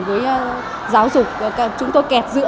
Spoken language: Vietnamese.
với giáo dục chúng tôi kẹt giữa